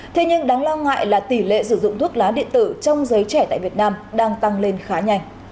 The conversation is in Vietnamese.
thế nhưng đáng lo ngại là tỷ lệ sử dụng thuốc lá điện tử trong giới trẻ tại việt nam đang tăng lên khá nhanh